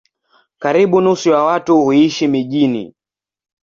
Karibu nusu ya watu huishi mijini.